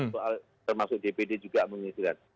soal termasuk dpd juga mengisikan